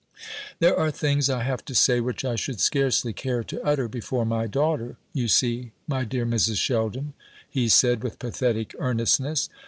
"There are things I have to say which I should scarcely care to utter before my daughter, you see, my dear Mrs. Sheldon," he said, with pathetic earnestness.